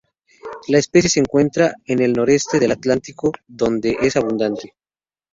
La especie se encuentra en el noreste del Atlántico donde es abundante.